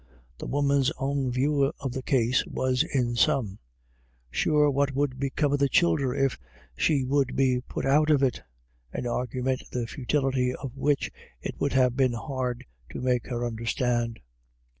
The woman's own view of the case was in sum : "Sure, what would become of the childer if she would be put out of it ?" an argument the futility of which it would have been hard to make her understand.